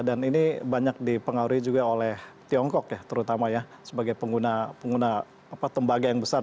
dan ini banyak dipengaruhi juga oleh tiongkok ya terutama ya sebagai pengguna tembaga yang besar